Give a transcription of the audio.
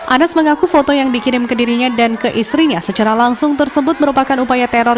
anas mengaku foto yang dikirim ke dirinya dan ke istrinya secara langsung tersebut merupakan upaya teror